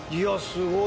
すごい！